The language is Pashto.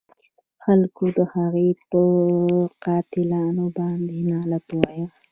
خلکو د هغه په قاتلانو باندې لعنت وایه.